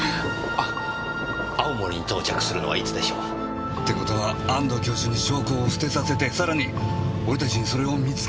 あっ青森に到着するのはいつでしょう？って事は安藤教授に証拠を捨てさせてさらに俺たちにそれを見つけさせたって事ですか。